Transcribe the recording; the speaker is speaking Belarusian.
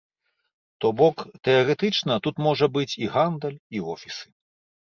То бок, тэарэтычна тут можа быць і гандаль, і офісы.